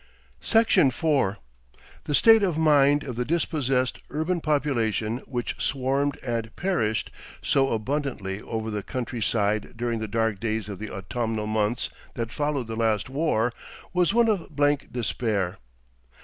Section 3 The state of mind of the dispossessed urban population which swarmed and perished so abundantly over the country side during the dark days of the autumnal months that followed the Last War, was one of blank despair.